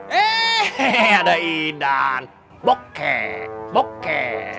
hehehe ada ii dan bokeh bokeh